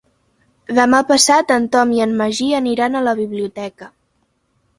Demà passat en Tom i en Magí aniran a la biblioteca.